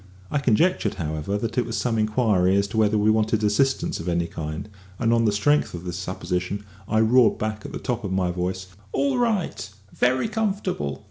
I conjectured, however, that it was some inquiry as to whether we wanted assistance of any kind, and on the strength of this supposition I roared back at the top of my voice: "All right; very comfortable."